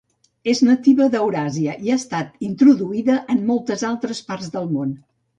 És nativa d’Euràsia i ha estat introduïda en moltes altres parts del món.